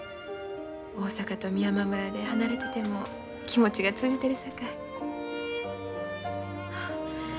大阪と美山村で離れてても気持ちが通じてるさかい。